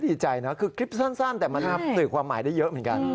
ดีใจนะคือคลิปสั้นแต่มันสื่อความหมายได้เยอะเหมือนกัน